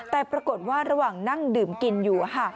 แต่ปรากฏว่าระหว่างนั่งดื่มกินอยู่